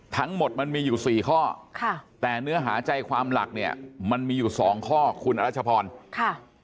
ทั้งหมดมันมีอยู่สี่ข้อค่ะแต่เนื้อหาใจความหลักเนี่ยมันมีอยู่สองข้อคุณอรัชพรค่ะ